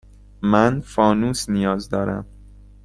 من فانوس نیاز دارم.